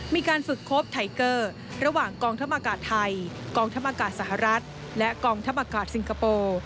มีการฝึกคบไทเกอร์ระหว่างกองทัพอากาศไทยกองทัพอากาศสหรัฐและกองทัพอากาศสิงคโปร์